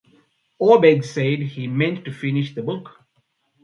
Oberg said that he meant to finish the book.